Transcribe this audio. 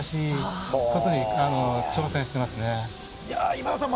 今田さん